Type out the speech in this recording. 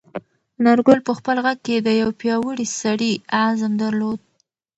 انارګل په خپل غږ کې د یو پیاوړي سړي عزم درلود.